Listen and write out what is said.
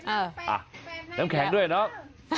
เอออ่ะน้ำแข็งด้วยเนาะ